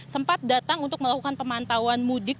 sempat datang untuk melakukan pemantauan mudik